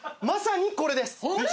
まさにこれです！